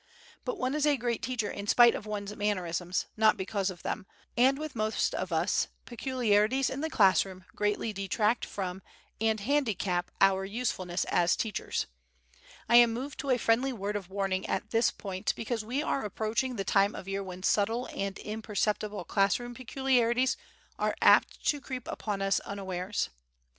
But one is a great teacher in spite of one's mannerisms, not because of them, and with most of us peculiarities in the class room greatly detract from and handicap our usefulness as teachers. I am moved to a friendly word of warning at this point because we are approaching the time of year when subtle and imperceptible class room peculiarities are apt to creep upon us unawares.